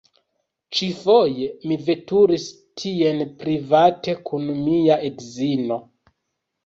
Ĉifoje, mi veturis tien private kun mia edzino.